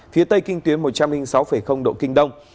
phía tây kinh tuyến một trăm linh sáu độ kinh đông